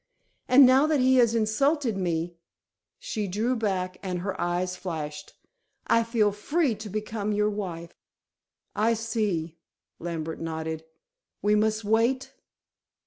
And now that he has insulted me," she drew back, and her eyes flashed, "I feel free to become your wife." "I see," Lambert nodded. "We must wait?"